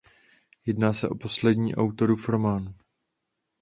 Jedná se o poslední autorův román.